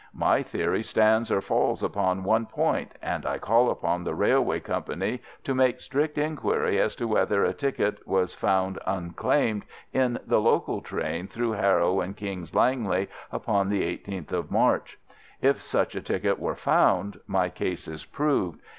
My theory stands or falls upon one point, and I call upon the railway company to make strict inquiry as to whether a ticket was found unclaimed in the local train through Harrow and King's Langley upon the 18th of March. If such a ticket were found my case is proved.